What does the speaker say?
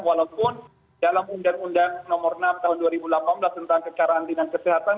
walaupun dalam undang undang nomor enam tahun dua ribu delapan belas tentang kekarantinaan kesehatan